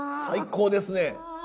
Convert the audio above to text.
最高ですね。